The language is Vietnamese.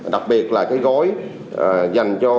đặc biệt là cái gói dành cho